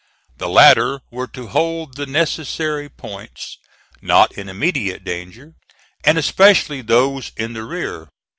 The latter were to hold the necessary points not in immediate danger, and especially those in the rear.